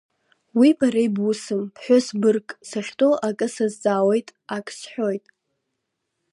Уи бара ибусым, ԥҳәыс быргк сахьтәоу акы сазҵаауеит, ак сҳәоит…